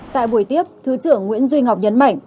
tại buổi tiếp thứ trưởng nguyễn duy ngọc nhấn mạnh